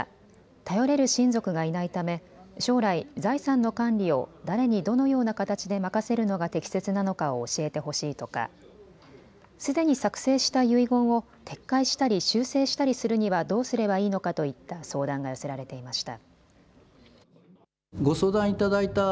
頼れる親族がいないため将来、財産の管理を誰にどのような形で任せるのが適切なのかを教えてほしいとかすでに作成した遺言を撤回したり修正したりするにはどうすればいいのかといった相談が寄せられていました。